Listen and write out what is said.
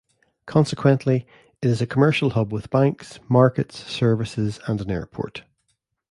Consequently, it is a commercial hub with banks, markets, services and an airport.